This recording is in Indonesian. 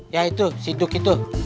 ya itu si duk itu